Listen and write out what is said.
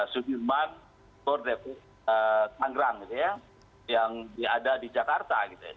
sudirman gor depok tanggerang gitu ya yang ada di jakarta gitu ya